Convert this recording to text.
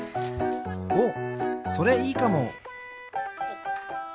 おっそれいいかも。